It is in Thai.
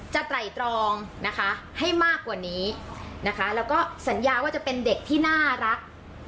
ไตรตรองนะคะให้มากกว่านี้นะคะแล้วก็สัญญาว่าจะเป็นเด็กที่น่ารัก